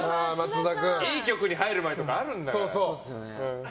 いい曲に入る前とかあるんだから。